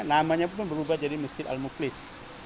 namanya pun berubah jadi masjid al muklis